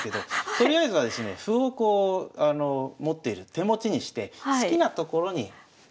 とりあえずはですね歩をこう持っている手持ちにして好きな所に行けるということです。